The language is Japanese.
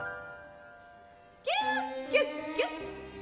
「キュキュッキュッ！」